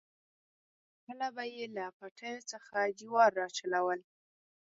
کله به یې له پټیو څخه جوار راچلول.